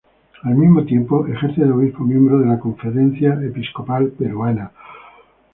Al mismo tiempo ejerce de obispo miembro en la Conferencia Episcopal Peruana.